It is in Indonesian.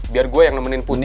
biar gue yang nemenin pun